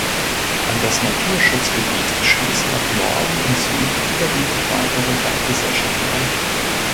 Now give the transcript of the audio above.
An das Naturschutzgebiet schließen nach Norden und Süden überwiegend weitere Waldgesellschaften an.